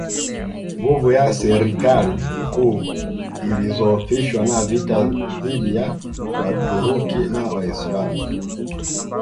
Nguvu ya serikali kuu ilidhoofishwa na vita dhidi ya Waturuki na Waislamu